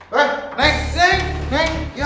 weh neng neng neng